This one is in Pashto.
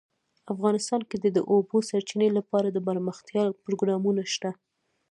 افغانستان کې د د اوبو سرچینې لپاره دپرمختیا پروګرامونه شته.